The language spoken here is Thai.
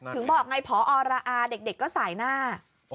บอกไงพอระอาเด็กก็สายหน้า